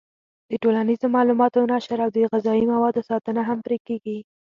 د ټولنیزو معلوماتو نشر او د غذایي موادو ساتنه هم پرې کېږي.